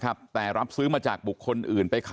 เขาต้องสะเกณฑ์ไป